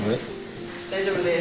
大丈夫？